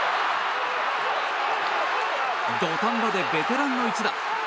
土壇場でベテランの一打。